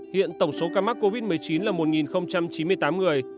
hiện tổng số ca mắc covid một mươi chín là một chín mươi tám người